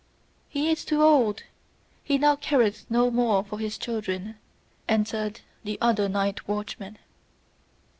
"He is too old! He now careth no more for his children," answered the other night watchman.